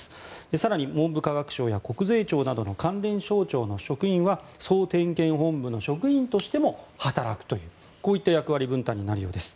更に、文部科学省や国税庁などの関連省庁の職員は総点検本部の職員としても働くというこういった役割分担になるようです。